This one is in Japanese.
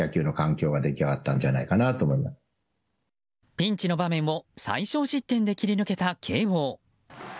ピンチの場面を最少失点で切り抜けた慶應。